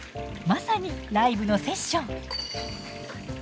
まさにライブのセッション。